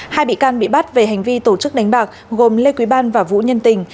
hai bị can bị bắt về hành vi tổ chức đánh bạc gồm lê quý ban và vũ nhân tình